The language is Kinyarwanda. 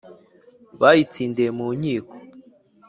bayitsindiye mu nkiko